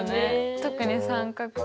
特に三角。